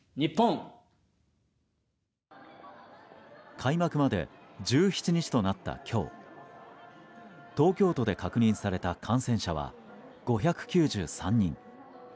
開幕まで１７日となった今日東京都で確認された感染者は５９３人。